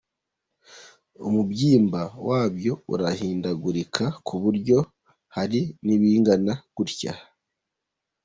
Umubyimba wabyo urahindagurika kuburyo hari n'ibingana gutya.